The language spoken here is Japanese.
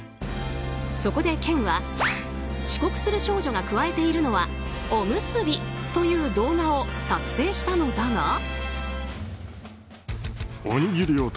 そこで県は遅刻する少女がくわえているのはおむすびという動画を作成したのだが。